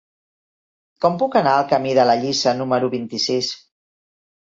Com puc anar al camí de la Lliça número vint-i-sis?